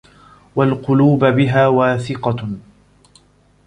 وَالْقُلُوبَ بِهَا وَاثِقَةٌ